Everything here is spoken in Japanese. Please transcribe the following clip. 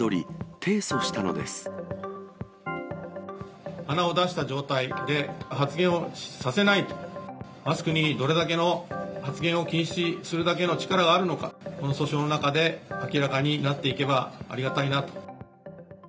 鼻を出した状態で発言をさせないと、マスクにどれだけの発言を禁止するだけの力があるのか、この訴訟の中で明らかになっていけばありがたいなと。